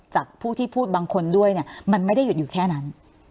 จากผู้ที่พูดบางคนด้วยเนี่ยมันไม่ได้หยุดอยู่แค่นั้น